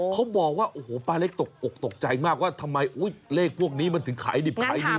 เขาบอกว่าป้าเล็กตกตกใจมากว่าทำไมเลขพวกนี้มันถึงขายดิบขายง่ายนัก